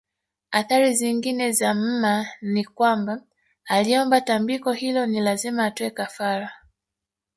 Athari zingine za mma ni kwamba aliyeomba tambiko hilo ni lazima atoe kafara